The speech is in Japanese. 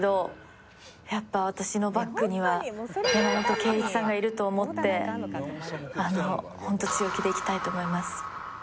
やっぱ私のバックには山本圭壱さんがいると思って本当強気でいきたいと思います。